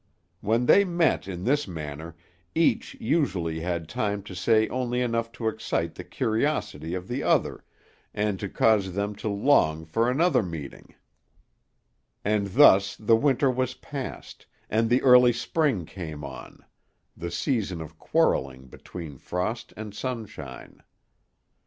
When they met in this manner, each usually had time to say only enough to excite the curiosity of the other, and to cause them to long for another meeting, and thus the winter was passed, and the early spring came on; the season of quarreling between frost and sunshine.